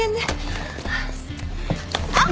あっ！